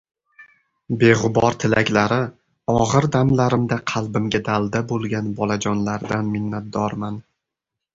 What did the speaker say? Beg‘ubor tilaklari og‘ir damlarimda qalbimga dalda bo‘lgan bolajonlardan minnatdorman.